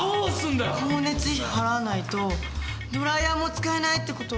光熱費払わないとドライヤーも使えないってこと？